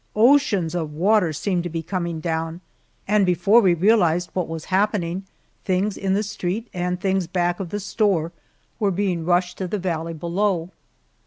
Oceans of water seemed to be coming down, and before we realized what was happening, things in the street and things back of the store were being rushed to the valley below.